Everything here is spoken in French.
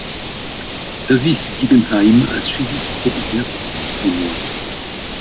Davis Giggenheim a suivi son quotidien pendant dix-huit mois.